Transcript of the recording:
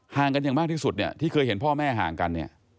ห่างกันอย่างมากที่สุดที่เคยเห็นพ่อแม่ห่างกัน